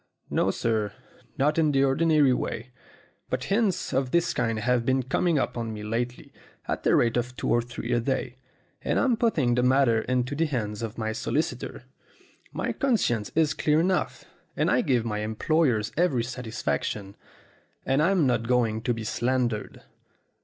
"No, sir not in the ordinary way. But hints of this kind have been coming up to me lately at the rate of two or three a day, and I'm putting the matter into the hands of my solicitor. My conscience is clear enough, and I give my employers every satisfaction, and I'm not going to be slandered.